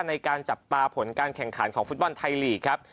ในการจับตาผลการแข่งขันของฟุตบอลไทยลีกครับ